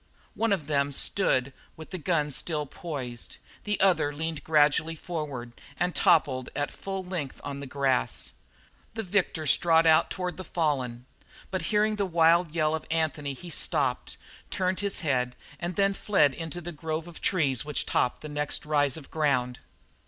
One of them stood with his gun still poised; the other leaned gradually forward and toppled at full length on the grass. The victor strode out toward the fallen, but hearing the wild yell of Anthony he stopped, turned his head, and then fled into the grove of trees which topped the next rise of ground.